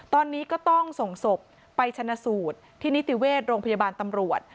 ตอนนี้ก็ต้องส่งศพไปชนะสูตรที่นิติเวชโรงพยาบาลตำรวจ